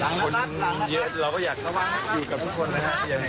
หลังละครับหลังละครับเราก็อยากทำว่าอยู่กับทุกคนนะฮะอย่างนั้น